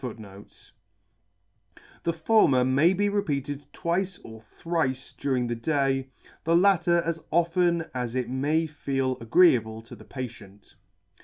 * The former may be repeated twice or thrice during the day; the latter as often as it may feel agree able to the patient.